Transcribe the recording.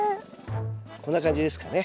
こんな感じですかね。